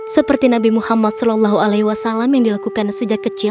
seperti nabi muhammad saw yang dilakukan sejak kecil